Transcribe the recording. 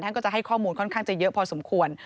ก็จะให้ข้อมูลค่อนข้างจะเยอะพอสมควร